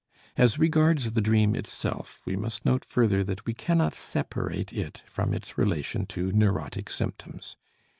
As regards the dream itself, we must note further that we cannot separate it from its relation to neurotic symptoms.